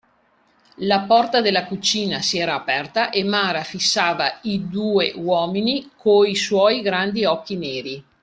La porta della cucina si era aperta e Mara fissava i due uomini coi suoi grandi occhi neri.